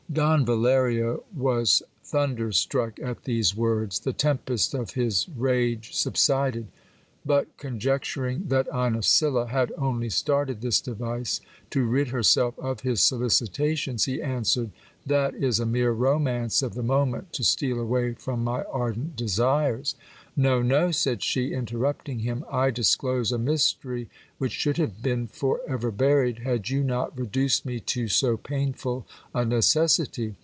Don Valerio was thunderstruck at these words ; the tempest of his rage sub sided. But, conjecturing that Inesilla had only started this device to rid her self of his solicitations, he answered, That is a mere romance of the moment to steal away from my ardent desires. No, no, said she, interrupting him, I dis close a mystery which should have been for ever buried, had you not reduced me to so painful a necessity.